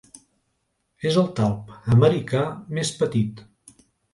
És el talp americà més petit.